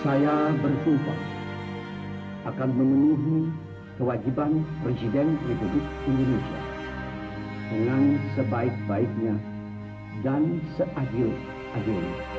saya bersumpah akan memenuhi kewajiban presiden indonesia dengan sebaik baiknya dan seadil adilnya